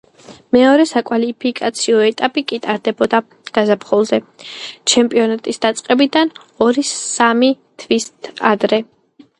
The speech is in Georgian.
მეორე საკვალიფიკაციო ეტაპი კი ტარდებოდა გაზაფხულზე, ჩემპიონატის დაწყებიდან ორი-სამი თვით ადრე.